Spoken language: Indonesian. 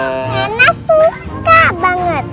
rena suka banget